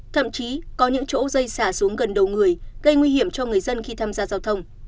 thậm chí có những chỗ dây xả xuống gần đầu người gây nguy hiểm cho người dân khi tham gia giao thông